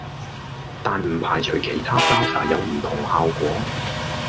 但唔排除其他 Browser 有唔同效果